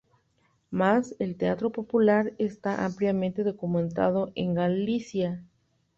Mas, el teatro popular, está ampliamente documentado en Galicia.